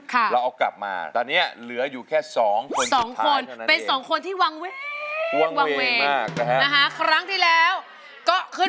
ค่ะแล้วเอากลับมาตอนนี้เหลืออยู่แค่๒คนสุดท้ายเท่านั้นเอง